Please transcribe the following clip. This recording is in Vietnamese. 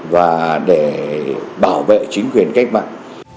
và để bảo vệ chính quyền cách mạng